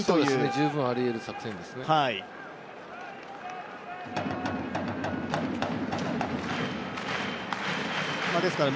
十分ありえる作戦ですね。